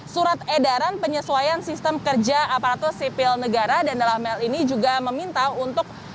surat edaran penyesuaian sistem kerja aparatur sipil negara dan dalam hal ini juga meminta untuk